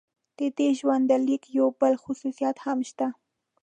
د دې ژوندلیک یو بل خصوصیت هم شته.